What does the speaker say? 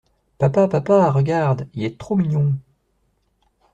Papa, Papa... Regarde... Il est trop mignon!